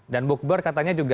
dan book bird katanya juga